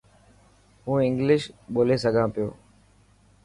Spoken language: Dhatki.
هون انگلش ٻولي سکان پيو.